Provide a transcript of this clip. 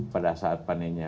pada saat panennya